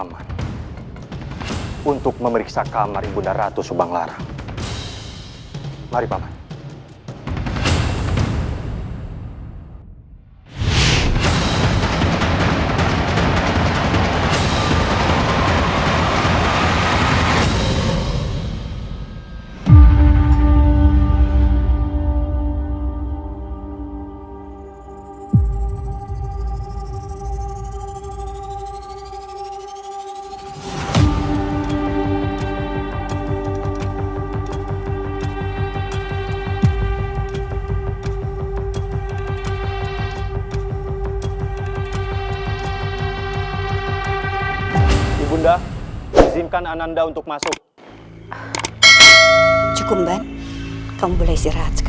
meriksa kamar ibu dan ratu subang narang